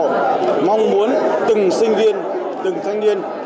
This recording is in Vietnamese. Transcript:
chúng tôi cũng mong muốn từng sinh viên từng thanh niên